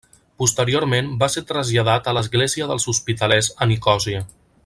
Posteriorment va ser traslladat a l'Església dels Hospitalers a Nicòsia.